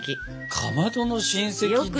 かまどの親戚で？